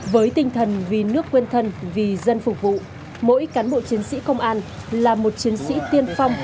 với tinh thần vì nước quên thân vì dân phục vụ mỗi cán bộ chiến sĩ công an là một chiến sĩ tiên phong